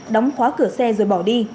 đóng khóa cửa xe rồi bỏ đi